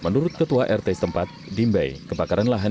nah itu nggak jelas lah